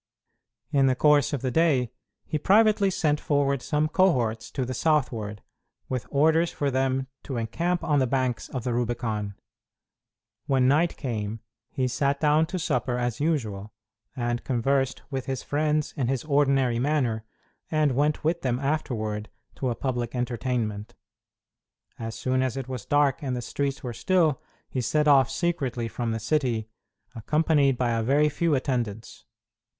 In the course of the day, he privately sent forward some cohorts to the southward, with orders for them to encamp on the banks of the Rubicon. When night came, he sat down to supper as usual and conversed with his friends in his ordinary manner, and went with them afterward to a public entertainment. As soon as it was dark and the streets were still, he set off secretly from the city, accompanied by a very few attendants.